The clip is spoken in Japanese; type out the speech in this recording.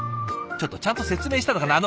ちょっとちゃんと説明したのかな？